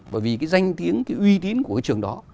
bởi vì cái danh tiếng cái uy tín của cái trường đó